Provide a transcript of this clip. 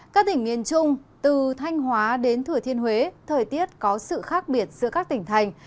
các tỉnh miền trung từ thanh hóa đến thừa thiên huế thời tiết có sự khác biệt giữa các tỉnh thành